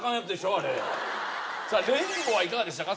あれさあレインボーはいかがでしたか？